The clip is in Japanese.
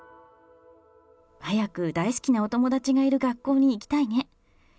早く大好きなお友達がいる学校に行きたいね。